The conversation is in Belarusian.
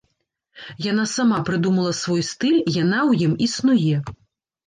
Яна сама прыдумала свой стыль, яна ў ім існуе.